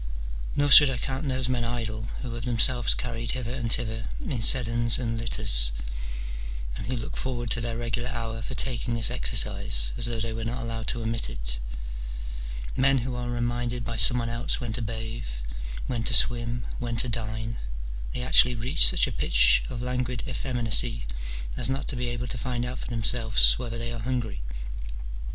Nor should I count those men idle who have themselves carried hither and thither in sedans and litters, and who look forward to their regular hour for taking this exercise as though they were not allowed to omit it : men who are reminded by some one else when to bathe, when to swim, when to dine : they actually reach such a pitch of languid effeminacy as not to be able to find out for them selves whether they are hungry.